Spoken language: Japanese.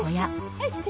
はい来て。